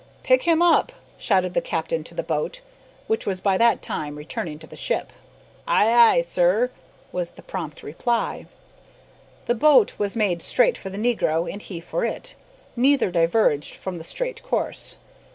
"Pick him up!" shouted the captain to the boat, which was by that time returning to the ship. "Ay, ay, sir," was the prompt reply. The boat was making straight for the negro and he for it. Neither diverged from the straight course.